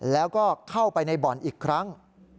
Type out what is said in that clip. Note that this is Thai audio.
แล้วก็เข้าไปในบ่อนอีกครั้ง